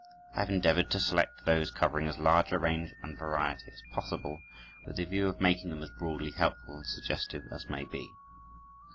I have endeavored to select those covering as large a range and variety as possible, with the view of making them as broadly helpful and suggestive as may be.